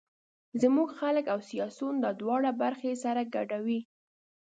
زموږ خلک او سیاسون دا دواړه برخې سره ګډوي.